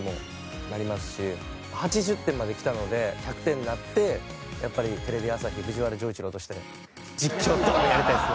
８０点まで来たので１００点になってやっぱりテレビ朝日藤原丈一郎として実況とかもやりたいですね。